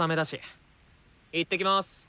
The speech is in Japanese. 行ってきます。